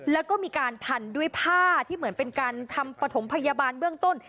แล้วก็มีการพันด้วยผ้าที่เหมือนเป็นการทำปฐมพยาบาลเบื้องต้น